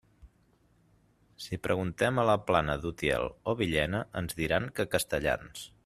Si preguntem a la Plana d'Utiel o Villena, ens diran que castellans.